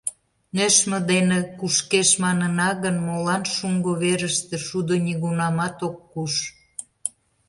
«Нӧшмӧ дене кушкеш» манына гын, молан шуҥго верыште шудо нигунамат ок куш.